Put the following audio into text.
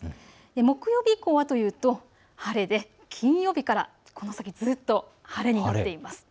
木曜日以降はというと晴れで、金曜日からこの先ずっと晴れになっています。